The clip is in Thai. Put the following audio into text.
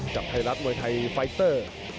กับไทยรัฐมวยไทยไฟเตอร์